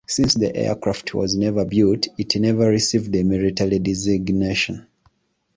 Since the aircraft was never built, it never received a military designation.